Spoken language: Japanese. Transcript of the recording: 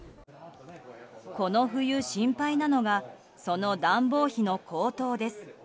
この冬心配なのがその暖房費の高騰です。